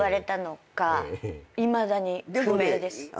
いまだに不明です。